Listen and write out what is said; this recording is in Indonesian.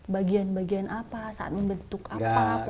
bagian bagian apa saat membentuk apa